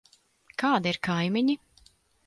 Kādi ir kaimiņi?